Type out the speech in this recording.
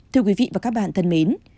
thưa quý vị và các bạn thân mến